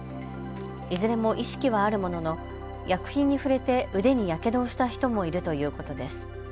いずれも意識はあるものの薬品に触れて腕にやけどをした人もいるということです。